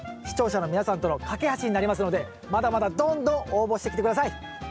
視聴者の皆さんとの懸け橋になりますのでまだまだどんどん応募してきて下さい。